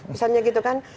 misalnya gitu kan